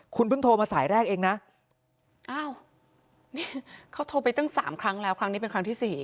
คุณเพิ่งโทรมาสายแรกเองนะอ้าวนี่เขาโทรไปตั้ง๓ครั้งแล้วครั้งนี้เป็นครั้งที่สี่